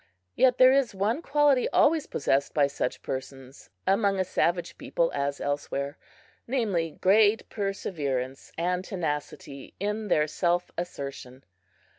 Yet there is one quality always possessed by such persons, among a savage people as elsewhere namely, great perseverance and tenacity in their self assertion.